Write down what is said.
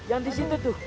yang disitu tuh